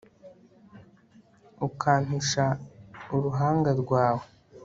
ukampisha uruhanga rwawe